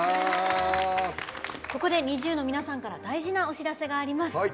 ここでＮｉｚｉＵの皆さんから大事なお知らせがあります。